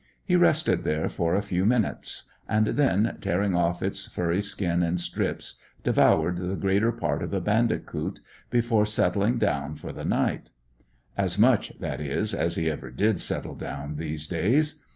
He rested there for a few minutes, and then, tearing off its furry skin in strips, devoured the greater part of the bandicoot before settling down for the night; as much, that is, as he ever did settle down, these days.